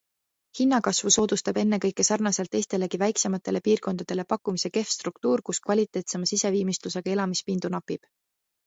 Hinnakasvu soodustab ennekõike sarnaselt teistelegi väiksematele piirkondadele pakkumise kehv struktuur, kus kvaliteetsema siseviimistlusega elamispindu napib.